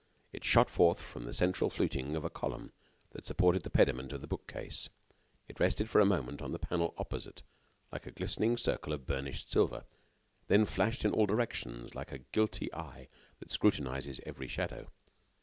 It shot forth from the central fluting of a column that supported the pediment of the bookcase. It rested for a moment on the panel opposite like a glittering circle of burnished silver, then flashed in all directions like a guilty eye that scrutinizes every shadow.